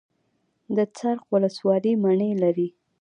د څرخ ولسوالۍ مڼې لري